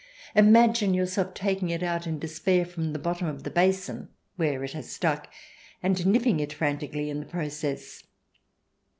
Imagine yourself taking it out in despair from the bottom of the basin where it has stuck, and nipping it franti cally in the process.